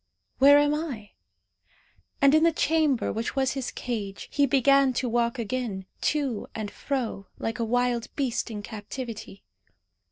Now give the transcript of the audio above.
Where am I?" And in the chamber which was his cage he began to walk again, to and fro, like a wild beast in captivity.